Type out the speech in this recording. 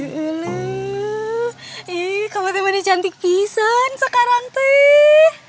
ulu ulu ii kamu tiba tiba cantik pisan sekarang teh